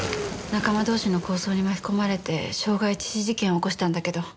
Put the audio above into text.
仲間同士の抗争に巻き込まれて傷害致死事件を起こしたんだけど。